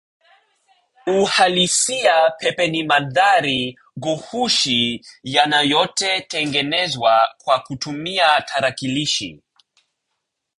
Uhalisia pepe ni mandhari ghushi yanayotengenezwa kwa kutumia tarakilishi